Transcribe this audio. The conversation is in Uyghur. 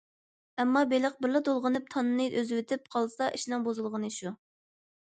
ئەمما بېلىق بىرلا تولغىنىپ تانىنى ئۈزۈۋېتىپ قالسا، ئىشنىڭ بۇزۇلغىنى شۇ.